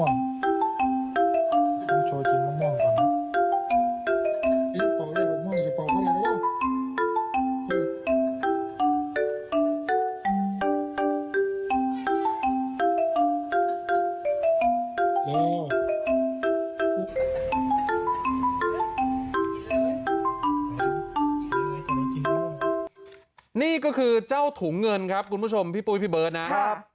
นี่ก็คือเจ้าถุงเงินครับคุณผู้ชมพี่ปุ้ยพี่เบิร์ตนะครับ